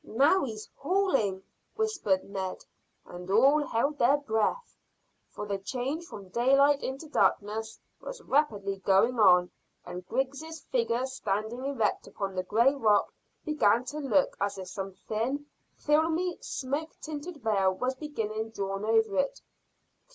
"Now he's hauling," whispered Ned, and all held their breath, for the change from daylight into darkness was rapidly going on, and Griggs's figure standing erect upon the grey rock began to look as if some thin, filmy, smoke tinted veil was being drawn over it.